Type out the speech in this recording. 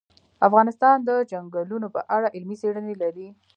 افغانستان د چنګلونه په اړه علمي څېړنې لري.